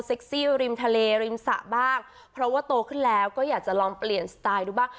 ริมทะเลริมสระบ้างเพราะว่าโตขึ้นแล้วก็อยากจะลองเปลี่ยนสไตล์ดูบ้าง